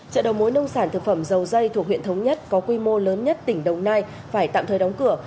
chợ đầu mối nông sản thực phẩm dầu dây thuộc huyện thống nhất có quy mô lớn nhất tỉnh đồng nai phải tạm thời đóng cửa